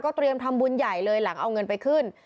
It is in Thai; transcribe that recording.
เตรียมทำบุญใหญ่เลยหลังเอาเงินไปขึ้น